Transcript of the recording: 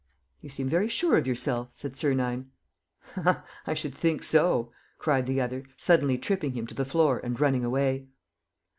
"You seem very sure of yourself," said Sernine. "I should think so!" cried the other, suddenly tripping him to the floor and running away.